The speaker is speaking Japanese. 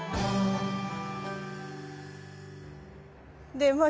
でまあ